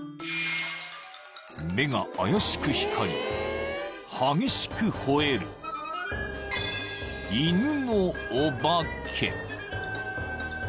［目が怪しく光り激しく吠える犬のお化け］